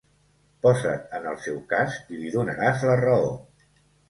Posa't en el seu cas i li donaràs la raó.